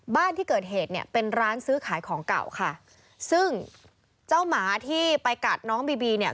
บ้านที่เกิดเหตุเนี่ยเป็นร้านซื้อขายของเก่าค่ะซึ่งเจ้าหมาที่ไปกัดน้องบีบีเนี่ย